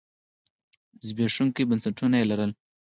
زبېښونکي بنسټونه یې لرل.